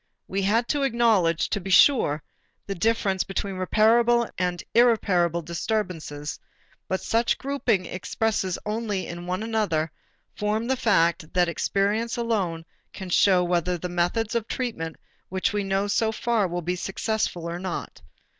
We had to acknowledge, to be sure, the difference between reparable and irreparable disturbances, but such grouping expresses only in another form the fact that experience alone can show whether the methods of treatment which we know so far will be successful or not.